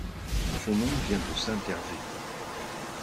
Son nom vient de Saint Hervé.